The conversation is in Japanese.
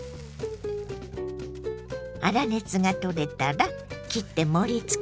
粗熱が取れたら切って盛りつけましょ。